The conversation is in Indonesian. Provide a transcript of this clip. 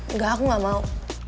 enggak aku gak mau